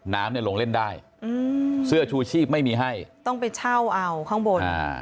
น้ำเนี่ยลงเล่นได้อืมเสื้อชูชีพไม่มีให้ต้องไปเช่าเอาข้างบนอ่า